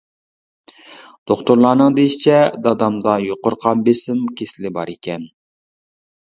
دوختۇرلارنىڭ دېيىشىچە، دادامدا يۇقىرى قان بېسىم كېسىلى بار ئىكەن.